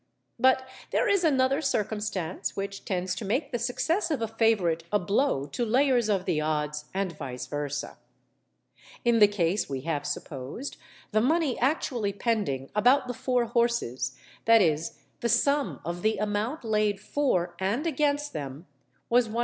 But there is another circumstance which tends to make the success of a favourite a blow to layers of the odds and vice versâ. In the case we have supposed, the money actually pending about the four horses (that is, the sum of the amount laid for and against them) was 140_l.